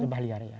lebah liar iya